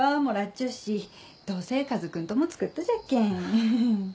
ちょっしどうせ家族んとも作っとじゃっけん。